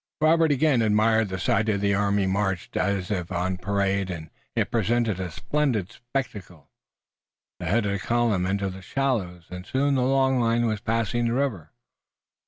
Robert again admired the sight. The army marched as if on parade, and it presented a splendid spectacle. The head of the column entered the shallows, and soon the long line was passing the river.